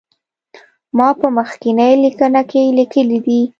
ما په مخکینی لیکنه کې لیکلي دي.